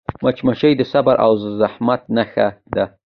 مچمچۍ د صبر او زحمت نښه ده